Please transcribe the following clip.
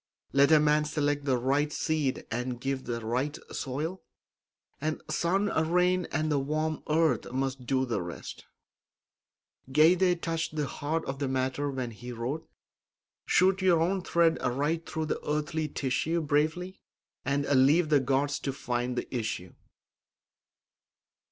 Let a man select the right seed and give it the right soil, and sun, rain, and the warm earth must do the rest. Goethe touched the heart of the matter when he wrote: "Shoot your own thread right through the earthly tissue Bravely; and leave the gods to find the issue."